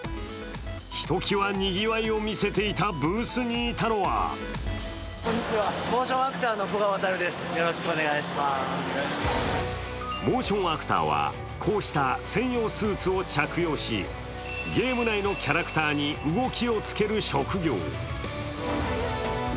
ひときわにぎわいを見せていたブースにいたのはモーションアクターはこうした専用スーツを着用しゲーム内のキャラクターに動きをつける職業。